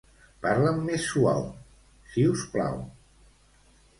Parla'm més suau, siusplau.